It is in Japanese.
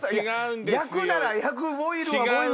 焼くなら焼くボイルはボイル。